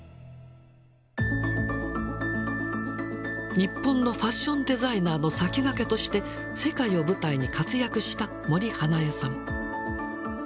日本のファッションデザイナーの先駆けとして世界を舞台に活躍した森英恵さん。